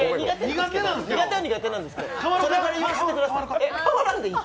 苦手は苦手なんですよ。